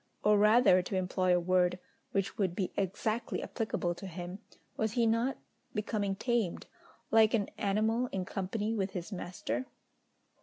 or rather, to employ a word, which would be exactly applicable to him, was he not becoming tamed, like an animal in company with his master?